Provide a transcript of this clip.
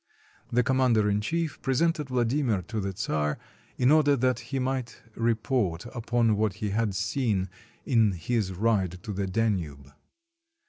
The commander in chief presented Vladimir to the czar, in order that he might report upon what he had seen in his ride to the Danube.